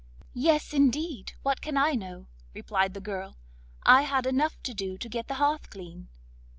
'Yes, indeed, what can I know?' replied the girl; 'I had enough to do to get the hearth clean.